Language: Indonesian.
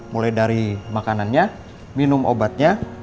mulai dari makanannya minum obatnya